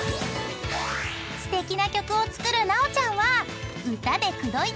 ［すてきな曲を作る直ちゃんは］